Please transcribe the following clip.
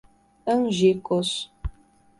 Angicos